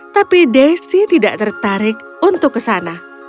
tapi daisy tidak tertarik untuk kesana